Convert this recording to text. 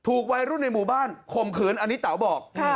วัยรุ่นในหมู่บ้านข่มขืนอันนี้เต๋าบอก